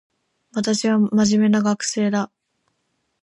私は真面目な学生だ